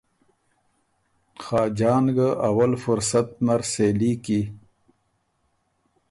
خاجان ګه اول فرصت نر سېلي کی